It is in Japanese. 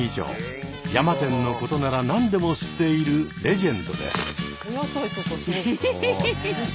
山天のことなら何でも知っているレジェンドです。